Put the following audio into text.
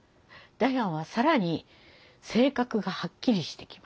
ダヤンは更に性格がはっきりしてきました。